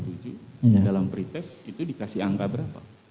dalam pretest itu dikasih angka berapa